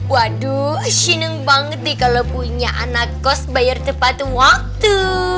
waduh seneng banget deh kalo punya anak kos bayar tepat waktu